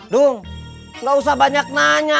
duh gak usah banyak nanya